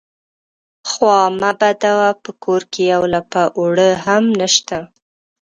_خوا مه بدوه، په کور کې يوه لپه اوړه هم نشته.